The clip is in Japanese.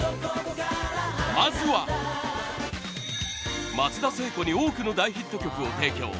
まずは松田聖子に多くの大ヒット曲を提供